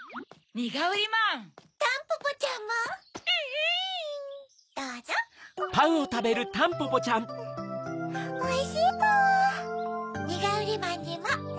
ニガウリマンにも。